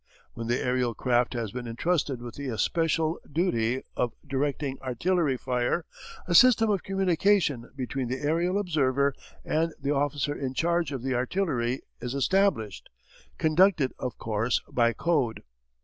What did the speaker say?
When the aerial craft has been entrusted with the especial duty of directing artillery fire, a system of communication between the aerial observer and the officer in charge of the artillery is established, conducted, of course, by code.